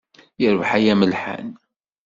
Yerbeḥ ay amelḥan.